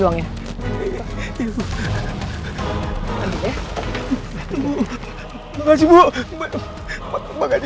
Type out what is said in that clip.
saya percaya sampai urutan begitu